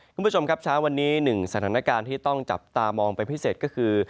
คุณผู้ชมครับเช้าวันนี้หนึ่งสถานการณ์ที่ต้องจับตามองเป็นพิเศษก็คือ